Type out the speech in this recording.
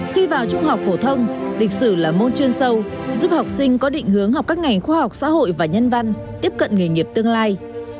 khi vào trung học phổ thông lịch sử là môn chuyên sâu giúp học sinh có định hướng học các ngành khoa học xã hội và nhân văn tiếp cận nghề nghiệp tương lai